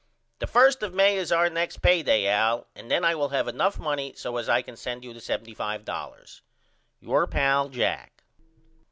The 1st of May is our next pay day Al and then I will have enough money so as I can send you the $75.00. Your pal, JACK.